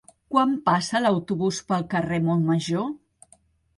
Quan passa l'autobús pel carrer Montmajor?